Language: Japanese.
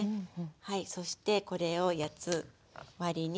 はいそしてこれを八つ割りにします。